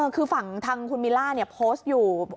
คือฝั่งทางคุณมิลล่าโพสต์อยู่